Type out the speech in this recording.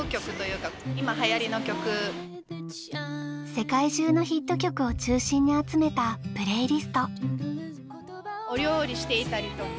世界中のヒット曲を中心に集めたプレイリスト。